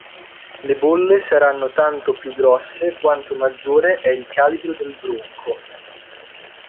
Le bolle saranno tanto più grosse quanto maggiore è il calibro del bronco.